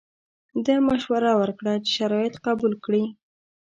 ده مشوره ورکړه چې شرایط قبول کړي.